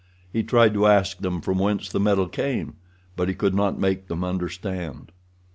He tried to ask them from whence the metal came, but he could not make them understand.